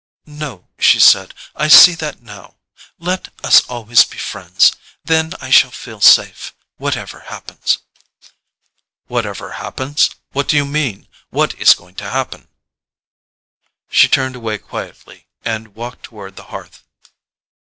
"No," she said. "I see that now. Let us always be friends. Then I shall feel safe, whatever happens." "Whatever happens? What do you mean? What is going to happen?" She turned away quietly and walked toward the hearth.